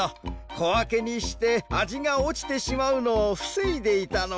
こわけにしてあじがおちてしまうのをふせいでいたのか。